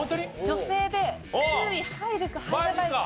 女性で９位入るか入らないか。